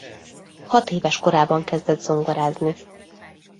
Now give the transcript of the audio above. Hatéves korában kezdett zongorázni.